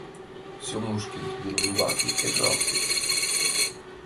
— Сёмушкин тудын ӱмбаке кержалте.